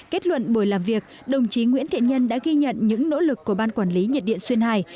kết luận buổi làm việc đồng chí nguyễn thiện nhân đã ghi nhận những nỗ lực của ban quản lý nhiệt điện xuyên hải